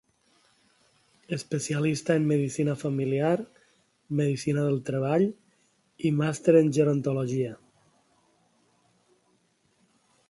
Especialista en Medicina Familiar, Medicina del Treball i Màster en gerontologia.